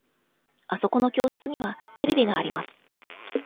あそこの教室にはテレビがあります。